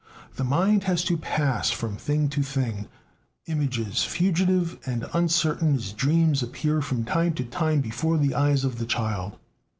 The mind has to pass from thing to thing. Images fugitive and uncertain as dreams appear from time to time before the eyes of the child.